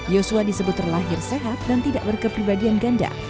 yosua disebut terlahir sehat dan tidak berkepribadian ganda